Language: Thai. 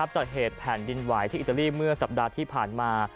จากเหตุแผ่นดินไหวที่อิตาลีเมื่อสัปดาห์ที่ผ่านมา